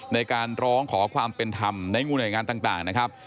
ในการร้องขอความเป็นธรรมในงูหน่วยงานต่างนะครับ